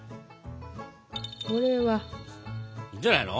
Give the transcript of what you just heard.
これは！いいんじゃないの？